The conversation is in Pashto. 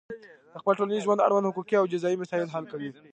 د خپل ټولنیز ژوند اړوند حقوقي او جزایي مسایل حل کوي.